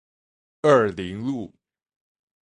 二苓路